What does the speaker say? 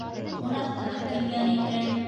Ҡунаҡтар килгән икән.